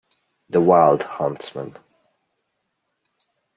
The wild huntsman.